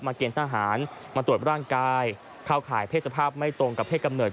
เกณฑ์ทหารมาตรวจร่างกายเข้าข่ายเพศสภาพไม่ตรงกับเพศกำเนิด